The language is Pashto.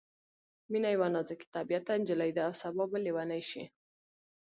مينه یوه نازک طبعیته نجلۍ ده او سبا به ليونۍ شي